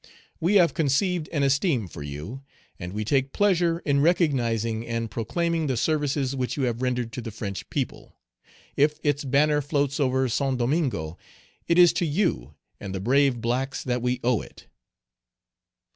"We have conceived an esteem for you, and we take pleasure Page 174 in recognizing and proclaiming the services which you have rendered to the French people. If its banner floats over Saint Domingo, it is to you and the brave blacks that we owe it.